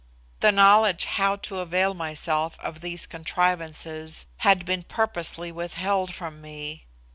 The knowledge how to avail myself of these contrivances had been purposely withheld from me.